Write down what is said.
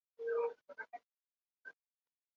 Kontzilio honek ere onartu zituen.